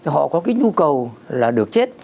họ có nhu cầu được chết